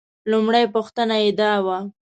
لومړۍ پوښتنه یې دا وه.